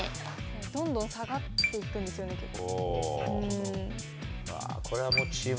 どんどん下がっていくんですよね、結構。